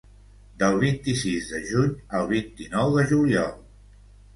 Del vint-i-sis de juny al vint-i-nou de juliol.